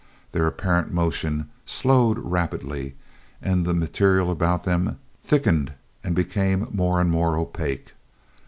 Their apparent motion slowed rapidly and the material about them thickened and became more and more opaque.